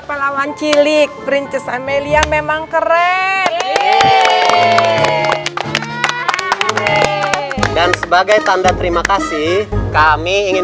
pahlawan cilik perintis amelia memang keren dan sebagai tanda terima kasih kami ingin